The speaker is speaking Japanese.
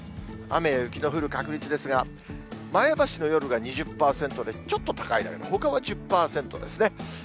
雨や雪の降る確率ですが、前橋の夜が２０％で、ちょっと高い、ほかは１０％ですね。